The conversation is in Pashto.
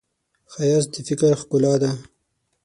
ښایست د فکر ښکلا ده